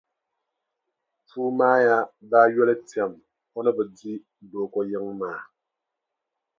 Puumaaya daa yoli tɛm o ni bi di Dooko yiŋa maa.